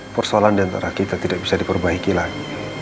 persoalan diantara kita tidak bisa diperbaiki lagi